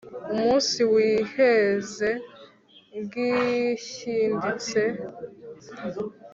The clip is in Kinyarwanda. Umunsi wiheze ngishyiditse